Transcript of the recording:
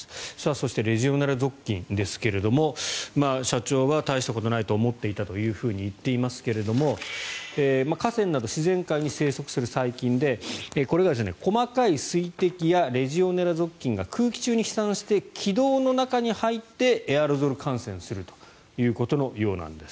そして、レジオネラ属菌ですが社長は大したことないと思っていたと言っていますけれども河川など自然界に生息する細菌でこれが細かい水滴やレジオネラ属菌が空気中に飛散して気道の中に入ってエアロゾル感染するということのようです。